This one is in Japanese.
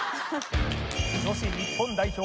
女子日本代表